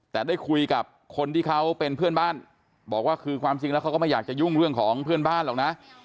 แต่ได้คุยกับคนที่เขาเป็นเพื่อนบ้านบอกว่าคือความจริงแล้วเขาก็ไม่อยากจะยุ่งเรื่องของเพื่อนบ้านหรอกนะ